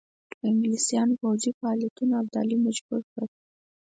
انګلیسیانو پوځي فعالیتونو ابدالي مجبور کړ.